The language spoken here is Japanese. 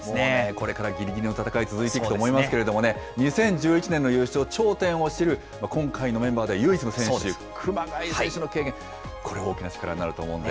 これからぎりぎりの戦い続いていくと思いますけれども、２０１１年の優勝、頂点を知る今回のメンバーで唯一の選手、熊谷選手の経験、これ大きな力になると思うんで。